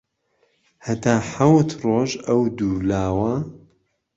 هەتا حەوت ڕۆژ ئەو دوو لاوە